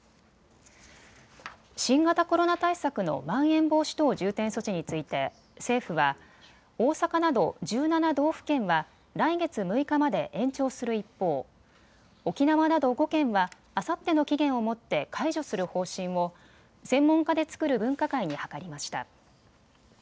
新型コロナ対策のまん延防止等重点措置について政府は大阪など１７道府県は来月６日まで延長する一方、沖縄など５県はあさっての期限をもって解除する方針を専門家で作る分科会に諮りました。